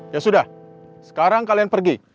ya sudah sekarang kalian pergi